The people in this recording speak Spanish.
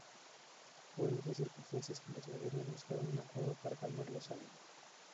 Fue en esas circunstancias que los gobiernos buscaron un acuerdo para calmar los ánimos.